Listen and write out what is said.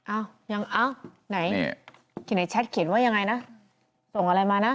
อ้าวยังเอ้าไหนที่ไหนแชทเขียนว่ายังไงนะส่งอะไรมานะ